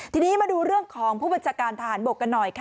ทีนี้มาดูเรื่องของผู้บัญชาการทหารบกกันหน่อยค่ะ